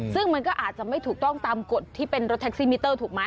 ซึ่งมันก็อาจจะไม่ถูกต้องตามกฎที่เป็นรถแท็กซี่มิเตอร์ถูกไหม